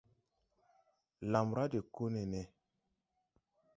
Lamra de ko nene.